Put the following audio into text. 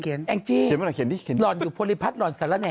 ของแอ๋งจี้ก็ขนดอกอยู่โพลิภัทรรณ์ศาลแหละ